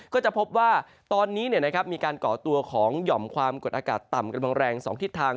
ก็จะพบว่าตอนนี้มีการก่อตัวของหย่อมความกดอากาศต่ำกำลังแรง๒ทิศทาง